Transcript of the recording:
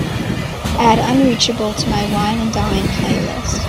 Add unreachable to my wine & dine playlist.